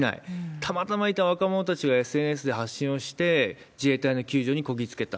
たまたまいた若者たちがＳＮＳで発信をして、自衛隊の救助にこぎ着けた。